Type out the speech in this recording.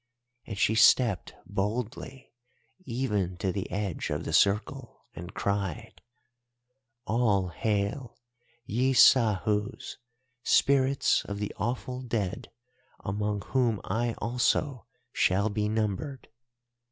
And she stepped boldly, even to the edge of the circle, and cried: "'All hail, ye Sahus, spirits of the awful dead, among whom I also shall be numbered.